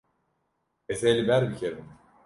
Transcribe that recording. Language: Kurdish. Ez ê li ber bikevim.